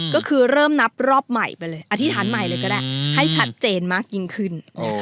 ก็คือเริ่มนับรอบใหม่ไปเลยอธิษฐานใหม่เลยก็ได้ให้ชัดเจนมากยิ่งขึ้น